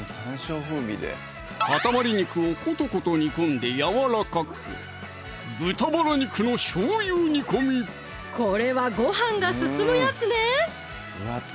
かたまり肉をコトコト煮込んでやわらかくこれはごはんが進むやつね！